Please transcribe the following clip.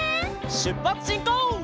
しゅっぱつしんこう！